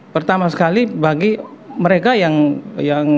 pertama sekali bagi mereka yang